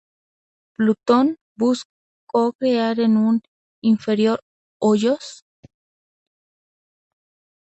Plutón buscó crear un "inferior hoyos" que destruiría el universo.